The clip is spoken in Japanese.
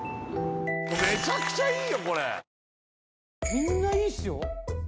みんないいっすよ。